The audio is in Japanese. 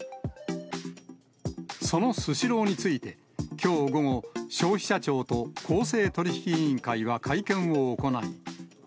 そのスシローについて、きょう午後、消費者庁と公正取引委員会は会見を行い。